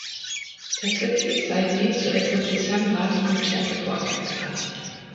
Tatsächlich sei dies so etwas wie Sun Ras „Concerto for Arkestra“.